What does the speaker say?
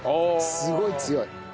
すごい強い。